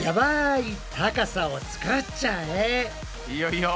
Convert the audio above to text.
いいよいいよ。